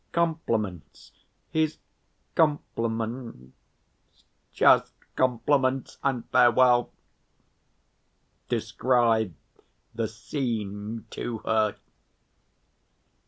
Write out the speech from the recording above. Compliments, his compliments! Just compliments and farewell! Describe the scene to her."